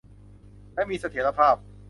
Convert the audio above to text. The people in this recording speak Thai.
และมีเสถียรภาพ